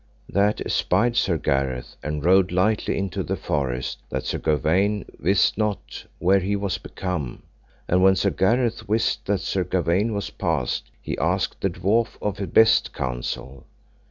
That espied Sir Gareth, and rode lightly into the forest, that Sir Gawaine wist not where he was become. And when Sir Gareth wist that Sir Gawaine was passed, he asked the dwarf of best counsel.